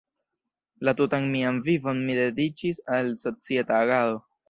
La tutan mian vivon mi dediĉis al societa agado.